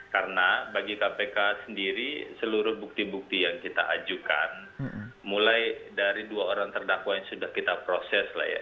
karena bagi kpk sendiri seluruh bukti bukti yang kita ajukan mulai dari dua orang terdakwa yang sudah kita proses lah ya